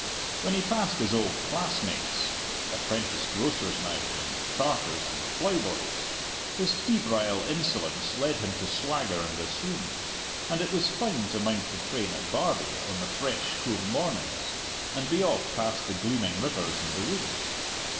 When he passed his old classmates (apprentice grocers now, and carters and ploughboys) his febrile insolence led him to swagger and assume. And it was fine to mount the train at Barbie on the fresh, cool mornings, and be off past the gleaming rivers and the woods.